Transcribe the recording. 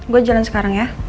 gue jalan sekarang ya